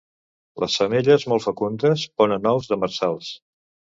Les femelles, molt fecundes, ponen ous demersals.